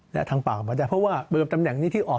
และทางปากก็ได้เพราะว่าเมื่อตำแหน่งนี้ที่ออก